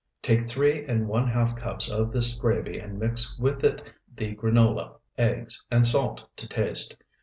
Take three and one half cups of this gravy and mix with it the granola, eggs, and salt to taste.